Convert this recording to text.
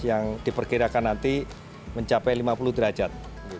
yang diperkirakan nanti mencapai lima puluh derajat